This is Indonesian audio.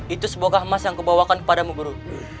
itu sebuah kemas yang kebawakan kepadamu guru